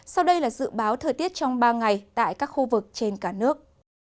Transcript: sau đây là dự báo thời tiết trong ba ngày tại các khu vực trên cả nước